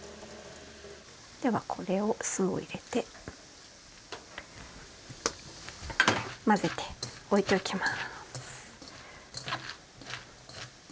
ではこれを酢を入れて混ぜて置いておきます。